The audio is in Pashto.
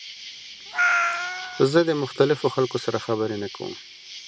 زه د مختلفو خلکو سره خبرې نه کوم.